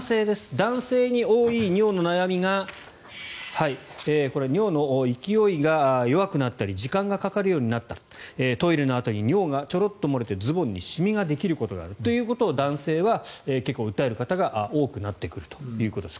男性に多い尿の悩みが尿の勢いが弱くなったり時間がかかるようになったトイレのあとに尿がちょろっと漏れてズボンに染みができることがあるということを男性は結構訴える方が多くなってくるということです。